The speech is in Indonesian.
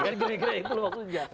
kan gini gini lu aku lihat